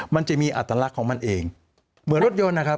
มันจะมีอัตลักษณ์ของมันเองเหมือนรถยนต์นะครับ